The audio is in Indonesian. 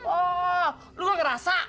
oh lu gak ngerasa